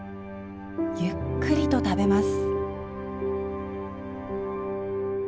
ゆっくりと食べます。